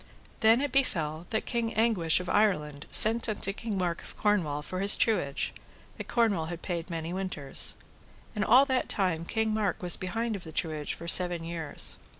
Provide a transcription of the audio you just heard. Then it befell that King Anguish of Ireland sent unto King Mark of Cornwall for his truage, that Cornwall had paid many winters. And all that time King Mark was behind of the truage for seven years.